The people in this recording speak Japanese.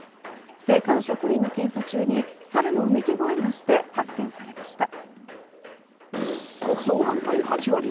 税関職員の検査中にサルのうめき声がして発見されました。